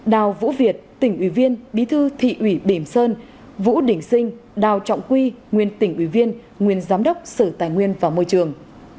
đào vũ việt tỉnh ủy viên bí thư thị ủy bìm sơn vũ đỉnh sinh đào trọng quy nguyên tỉnh ủy viên nguyên giám đốc sở tài nguyên và môi trường